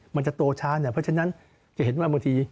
มันจะโตช้าเนี่ยเพราะฉะนั้นจะเห็นว่าบางที